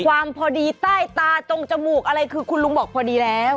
พอดีใต้ตาตรงจมูกอะไรคือคุณลุงบอกพอดีแล้ว